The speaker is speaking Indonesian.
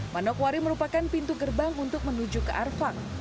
manokwari merupakan pintu gerbang untuk menuju ke arfak